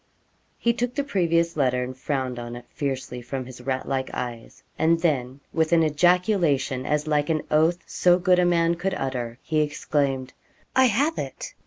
He took the previous letter, frowned on it fiercely from his rat like eyes, and then with an ejaculation, as like an oath as so good a man could utter, he exclaimed, 'I have it!'